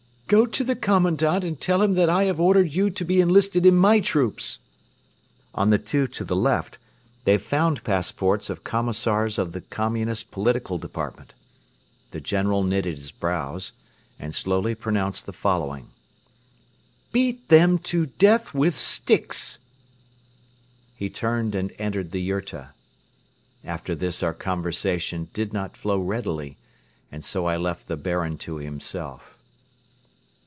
"Go to the Commandant and tell him that I have ordered you to be enlisted in my troops!" On the two to the left they found passports of Commissars of the Communist Political Department. The General knitted his brows and slowly pronounced the following: "Beat them to death with sticks!" He turned and entered the yurta. After this our conversation did not flow readily and so I left the Baron to himself.